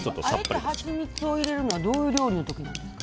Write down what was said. あえてハチミツを入れるのはどういう料理の時なんですか。